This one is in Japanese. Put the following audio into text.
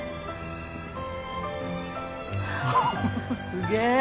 すげえ！